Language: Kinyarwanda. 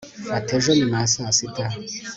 mfata ejo nyuma ya saa sita